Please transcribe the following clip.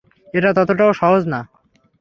এটা ততটাও সহজ না।